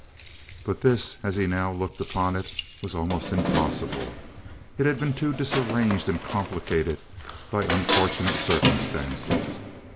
But this, as he now looked upon it, was almost impossible. It had been too disarranged and complicated by unfortunate circumstances.